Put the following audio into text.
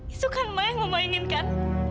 itu kan ma yang memainkan